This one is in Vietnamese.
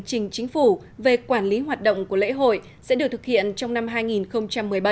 trình chính phủ về quản lý hoạt động của lễ hội sẽ được thực hiện trong năm hai nghìn một mươi bảy